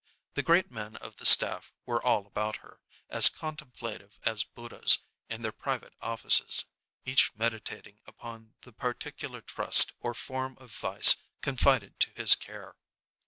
The great men of the staff were all about her, as contemplative as Buddhas in their private offices, each meditating upon the particular trust or form of vice confided to his care.